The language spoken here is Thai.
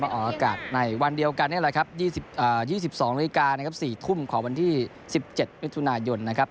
ออกอากาศในวันเดียวกันนี่แหละครับ๒๒นาฬิกานะครับ๔ทุ่มของวันที่๑๗มิถุนายนนะครับ